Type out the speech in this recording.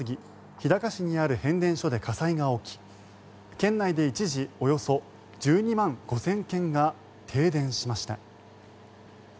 日高市にある変電所で火災が起き県内で一時およそ１２万５０００軒が停電しました。